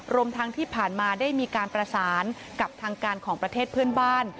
รวมทั้งที่ผ่านมาได้มีการประสานกับทางการของประเทศเพื่อนบ้าน